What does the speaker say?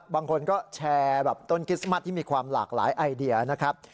บางคนก็แชร์แบบต้นคริสต์มัสที่มีความหลากหลายไอเดียนะครับ